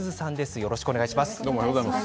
よろしくお願いします。